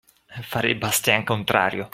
Fare il bastian contrario.